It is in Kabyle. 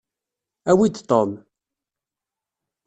Awi-d Tom.